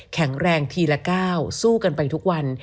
แข็งแรงทีละก้าวสู้กันไปทุกวัน